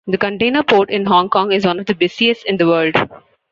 The container port in Hong Kong is one of the busiest in the world.